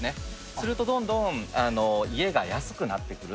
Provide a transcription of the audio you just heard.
するとどんどん家が安くなってくる。